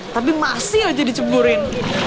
tapi masih aja diceburin